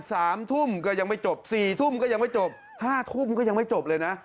สามทุ่มก็ยังไม่จบสี่ทุ่มก็ยังไม่จบห้าทุ่มก็ยังไม่จบเลยนะ